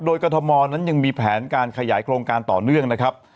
โดยกรทมนั้นยังมีแผนการขยายโครงการต่อเนื่องนะครับ